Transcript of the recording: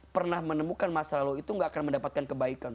pernah menemukan masa lalu itu gak akan mendapatkan kebaikan